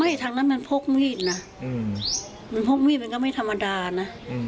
ไม่ทางนั้นอะอันนี้มาพกมีดนะพกมีดมันก็ไม่ธรรมดานะ